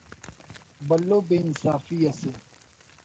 بھلو بے انصافی اسے